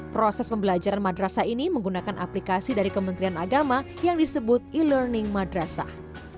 proses pembelajaran madrasah ini menggunakan aplikasi dari kementerian agama yang disebut e learning madrasah